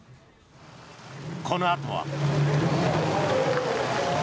このあとは。